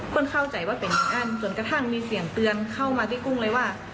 คนเข้าใจว่าเป็นอั้นจนกระทั่งมีเสียงเตือนเข้ามาที่กุ้งเลยว่า